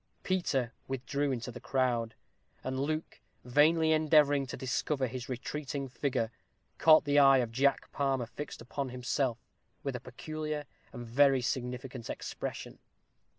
Peter withdrew into the crowd; and Luke, vainly endeavoring to discover his retreating figure, caught the eye of Jack Palmer fixed upon himself, with a peculiar and very significant expression.